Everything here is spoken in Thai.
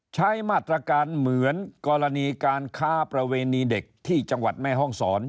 ใช้มาตรการเหมือนกรณีการค้าประเวณีเด็กที่จังหวัดแม่ห้องศร